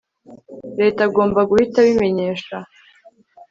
Leta agomba guhita abimenyesha